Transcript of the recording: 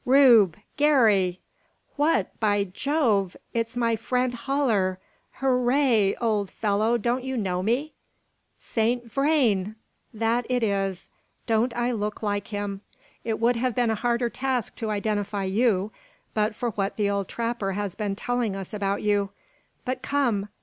"Rube! Garey!" "What! By Jove, it's my friend Haller! Hurrah! Old fellow, don't you know me?" "Saint Vrain!" "That it is. Don't I look like him? It would have been a harder task to identify you but for what the old trapper has been telling us about you. But come!